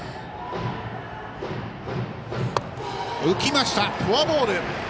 浮きました、フォアボール。